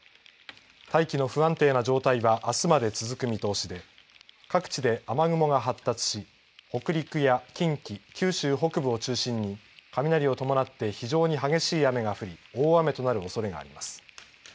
大気の不安定な状態はあすまで続く見通しで各地で雨雲が発達し北陸や近畿、九州北部を中心に雷を伴って非常に激しい雨が降り大雨となるおそれがあります。